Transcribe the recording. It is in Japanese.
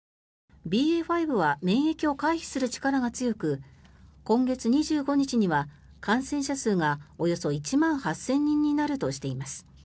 ＢＡ．５は免疫を回避する力が強く今月２５日には、感染者数がおよそ１万８０００人になるとしています。